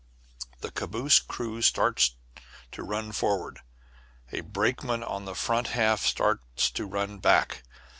The caboose crew start to run forward; a brakeman on the front half starts to run back.